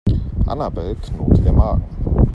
Annabel knurrt der Magen.